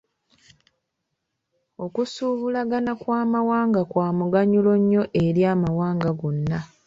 Okusuubulagana kw'amawanga kwa muganyulo nnyo eri amawanga gonna.